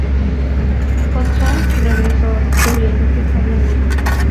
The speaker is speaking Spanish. Hudson regresó descubriendo que se habían ido.